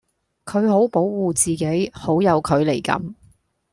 佢好保護自己，好有距離感